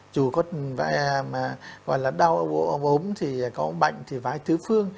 dù có gọi là đau ốm có bệnh thì phải tứ phương